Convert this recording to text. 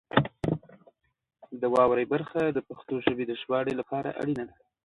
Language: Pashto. د واورئ برخه د پښتو ژبې د ژباړې لپاره اړینه ده.